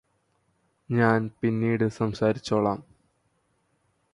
ഞാന് പിന്നീട് സംസാരിച്ചോളാം